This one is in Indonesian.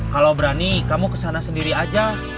kalau berani kamu kesana sendiri aja